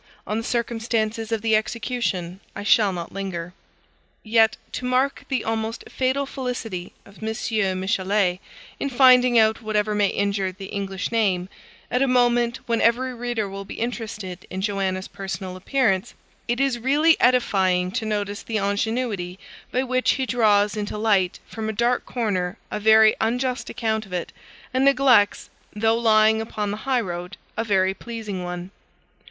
On the circumstances of the execution I shall not linger. Yet, to mark the almost fatal felicity of M. Michelet in finding out whatever may injure the English name, at a moment when every reader will be interested in Joanna's personal appearance, it is really edifying to notice the ingenuity by which he draws into light from a dark corner a very unjust account of it, and neglects, though lying upon the high road, a very pleasing one.